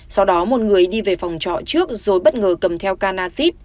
sau đó một người đi về phòng trọ trước rồi bất ngờ cầm theo can acid